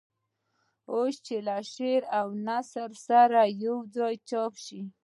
اوس یې له شعر او نثر سره یوځای چاپ شو.